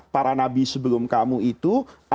para nabi sebelum kamu itu